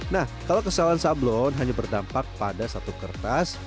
nah kalau kesalahan sablon hanya berdampak pada satu kertas